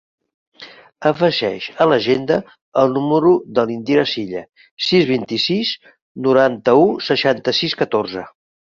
Afegeix a l'agenda el número de l'Indira Sylla: sis, vint-i-sis, noranta-u, seixanta-sis, catorze.